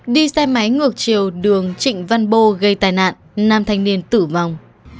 đi xe máy ngược chiều đường trịnh văn bô gây tai nạn nam thanh niên tử vong